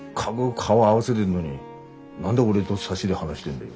顔合わせでんのに何で俺とサシで話してんだよ。